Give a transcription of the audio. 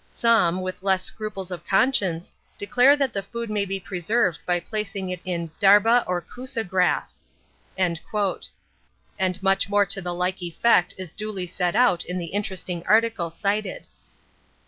Some, with less scruples of conscience, declare that the food may be preserved by placing on it dharba or Kusa grass," and much more to the like effect is duly set out in the interesting article cited.